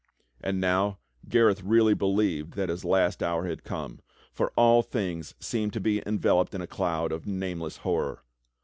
And now Gareth really believed that his last hour had come, for all things seemed to be enveloped in a cloud of nameless horror.